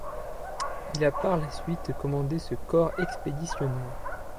Il a par la suite commandé ce Corps expéditionnaire.